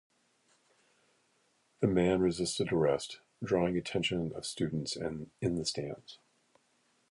The man resisted arrest, drawing attention of students in the stands.